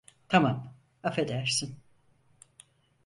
Tamam, affedersin.